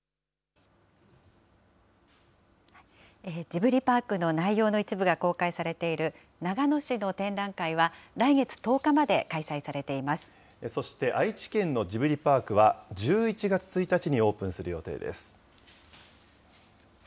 ジブリパークの内容の一部が公開されている長野市の展覧会は、そして愛知県のジブリパークは１１月１日にオープンする予定です。